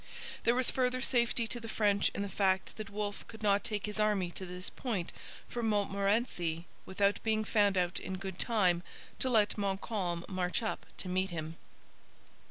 There was further safety to the French in the fact that Wolfe could not take his army to this point from Montmorency without being found out in good time to let Montcalm march up to meet him.